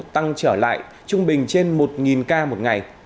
tăng trở lại trung bình trên một ca một ngày